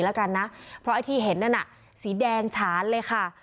แล้วกันนะเพราะไอ้ที่เห็นนั่นน่ะสีแดงฉานเลยค่ะ